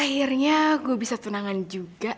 akhirnya gue bisa tunangan juga